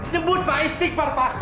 sebut pak istighfar pak